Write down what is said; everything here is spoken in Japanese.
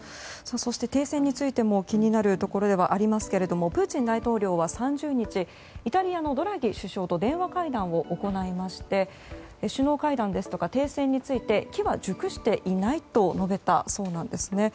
そして停戦についても気になるところではありますがプーチン大統領は３０日イタリアのドラギ首相と電話会談を行いまして首脳会談や停戦について機は熟していないと述べたそうなんです。